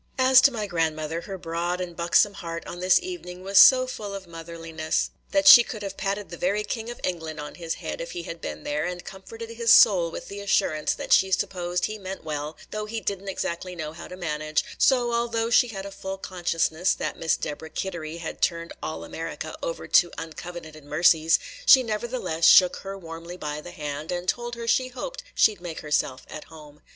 As to my grandmother, her broad and buxom heart on this evening was so full of motherliness, that she could have patted the very King of England on the head, if he had been there, and comforted his soul with the assurance that she supposed he meant well, though he did n't exactly know how to manage; so, although she had a full consciousness that Miss Deborah Kittery had turned all America over to uncovenanted mercies, she nevertheless shook her warmly by the hand, and told her she hoped she 'd make herself at home.